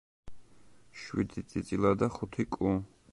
შვიდი წიწილა და ხუთი კუ.